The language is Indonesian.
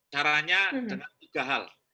caranya dengan tiga hal